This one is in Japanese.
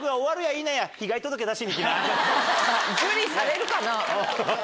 受理されるかな？